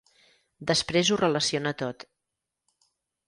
Després ho relaciona tot.